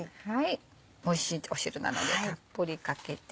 おいしい汁なのでたっぷりかけて。